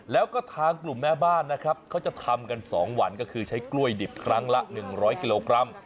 แล้วก็ทางกลุ่มแม่บ้านนะครับเขาจะทำกัน๒วันก็คือใช้กล้วยดิบครั้งละ๑๐๐กิโลกรัม